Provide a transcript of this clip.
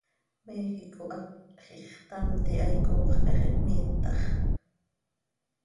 Méjico hac ixtamt hihaai coox cah x ihpmiitax.